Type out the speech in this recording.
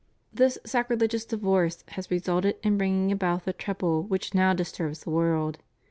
This sacrilegious divorce has resulted in bringing about the trouble which now disturbs the world.